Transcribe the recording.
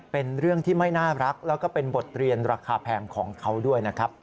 เป็นเรื่องที่ไม่น่ารักแล้วก็เป็นบทเรียนราคาแพงของเขาด้วยนะครับ